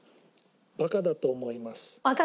バカだと思います。